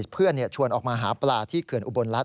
ชวนออกมาหาปลาที่เขื่อนอุบลรัฐ